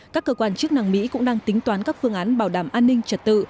các cơ quan chức năng mỹ cũng đang tính toán các phương án bảo đảm an ninh trật tự